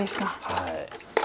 はい。